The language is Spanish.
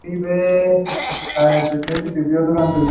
Por desgracia, se interrumpió la publicación antes de terminar.